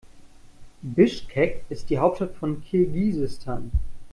Bischkek ist die Hauptstadt von Kirgisistan.